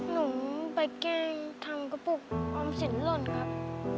หนูไปแกล้งทำกระปุกออมสินหล่นครับ